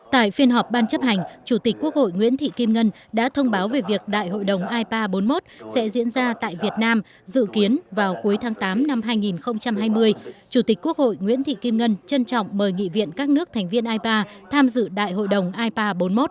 tại phiên họp ban chấp hành chủ tịch quốc hội nguyễn thị kim ngân đã thông báo về việc đại hội đồng ipa bốn mươi một sẽ diễn ra tại việt nam dự kiến vào cuối tháng tám năm hai nghìn hai mươi chủ tịch quốc hội nguyễn thị kim ngân trân trọng mời nghị viện các nước thành viên ipa tham dự đại hội đồng ipa bốn mươi một